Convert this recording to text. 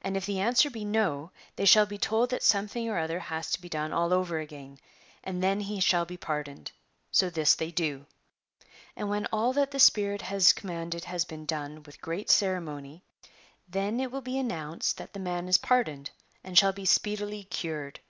And if the answer be no, they shall be told that something or other has to be done all over again, and then he shall be j)ardoned ; so this they do. vVnd when all that the spirit has com manded has been done with great ceremony, then it will be Chap. L. THE PROVI?^CE OF ZARDANUAN. 55 announced that the man is pardoned and shall be speedily cured.